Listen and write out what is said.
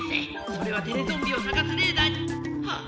それはテレゾンビをさがすレーダーにハッ。